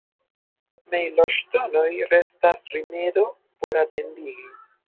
Mejloŝtonoj restas rimedo por atentigi.